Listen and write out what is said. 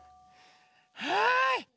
はい。